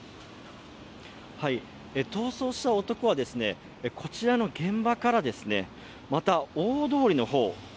逃走した男は、こちらの現場からまた大通りの方